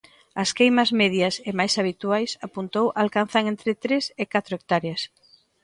As queimas medias e máis habituais, apuntou, alcanzan entre tres e catro hectáreas.